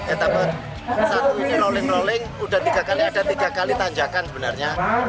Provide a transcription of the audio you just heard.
etapa satu ini rolling rolling sudah tiga kali ada tiga kali tanjakan sebenarnya